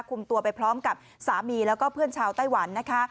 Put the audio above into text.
คุมตัวไปพร้อมกับสามีแล้วก็เพื่อนชาวไต้หวันนะคะ